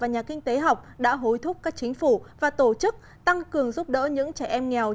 nhà kinh tế học đã hối thúc các chính phủ và tổ chức tăng cường giúp đỡ những trẻ em nghèo